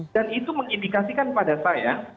jadi dikasihkan pada saya